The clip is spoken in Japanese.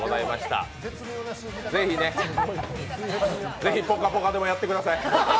ぜひ、「ぽかぽか」でもやってください。